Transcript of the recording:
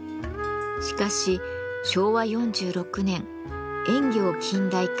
しかし昭和４６年「塩業近代化